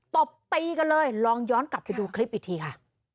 ตบตีกันเลยลองย้อนกลับไปดูคลิปอีกทีค่ะ